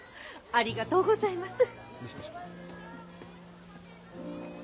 ありがとうございます。